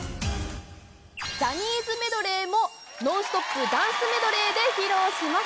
ジャニーズメドレーも、ノンストップダンスメドレーで披露します。